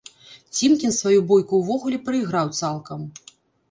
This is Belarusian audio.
Цімкін сваю бойку ўвогуле праіграў цалкам.